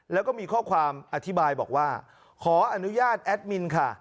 แล้วก็มีข้อความอธิบายบอกว่าขออนุญาตแอดมินค่ะ